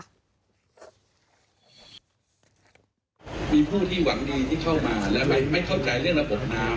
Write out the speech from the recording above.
มีผู้ที่หวังดีที่เข้ามาและไม่เข้าใจเรื่องระบบน้ำ